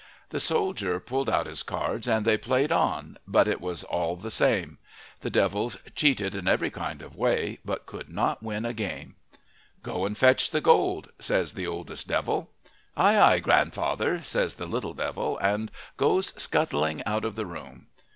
The soldier pulled out his cards, and they played on, but it was all the same. The devils cheated in every kind of way, but could not win a game. "Go and fetch the gold," says the oldest devil. "Aye, aye, grandfather," says the little devil, and goes scuttling out of the room.